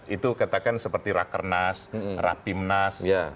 itu katakan seperti rakernas rapimnas